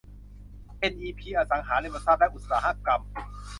เอ็นอีพี อสังหาริมทรัพย์ และอุตสาหกรรม